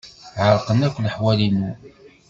Ɛerqen akk leḥwal-inu.